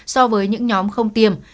so với những nhóm không tiêm